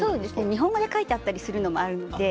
日本語で書いてあったりするのもあるので。